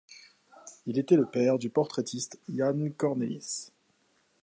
Il était le père du portraitiste Jan Cornelisz.